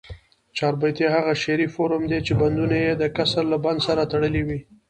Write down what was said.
چاربیتې هغه شعري فورم دي، چي بندونه ئې دکسر له بند سره تړلي وي.